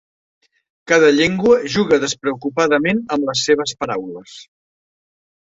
Cada llengua juga despreocupadament amb les seves paraules.